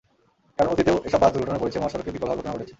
কারণ, অতীতেও এসব বাস দুর্ঘটনায় পড়েছে, মহাসড়কে বিকল হওয়ার ঘটনা ঘটেছে।